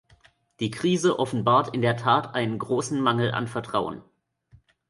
Die Krise offenbart in der Tat einen großen Mangel an Vertrauen.